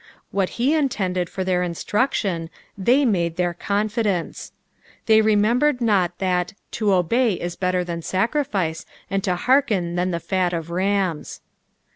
Waat he intended for their instruction, they made thqr confidence. Th^ remembered not that " to obey is better than sacrifice, and to bearkea than the fat of rams."